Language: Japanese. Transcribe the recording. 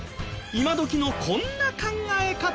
今どきのこんな考え方